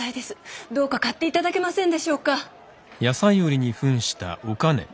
どうか買って頂けませんでしょうか？